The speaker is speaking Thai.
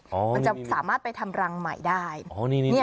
มันจะสามารถไปทำรังใหม่ได้